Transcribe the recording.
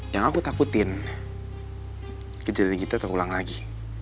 yang aku takutin kejadian gitu terulang lagi